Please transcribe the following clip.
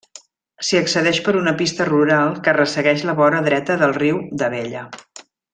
S'hi accedeix per una pista rural que ressegueix la vora dreta del riu d'Abella.